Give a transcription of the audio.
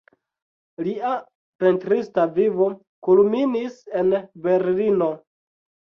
Lia pentrista vivo kulminis en Berlino.